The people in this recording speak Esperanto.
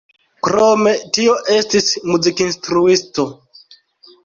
Krome tio estis muzikinstruisto.